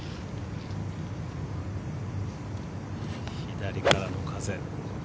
左からの風。